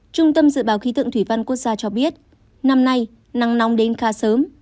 trung tâm dự báo khí tượng thủy văn quốc gia cho biết năm nay nắng nóng đến khá sớm